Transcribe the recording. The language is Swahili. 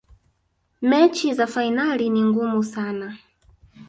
mechi za fainali ni ngumu sana